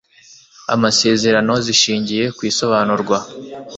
amasezerano zishingiye ku isobanurwa